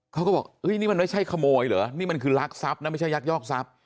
เขาก็บอกนี่มันไม่ใช่ขโมยเหรอนี่มันคือรักทรัพย์นะไม่ใช่ยักยอกทรัพย์